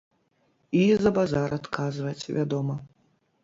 І за базар адказваць, вядома.